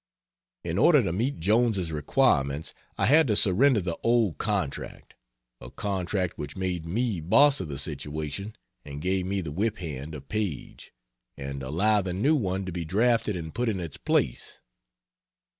In order to meet Jones's requirements I had to surrender the old contract (a contract which made me boss of the situation and gave me the whip hand of Paige) and allow the new one to be drafted and put in its place.